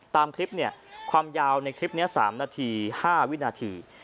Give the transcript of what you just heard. ตามคลิปเนี่ยความยาวในคลิปนี้๓นาที๕วินาที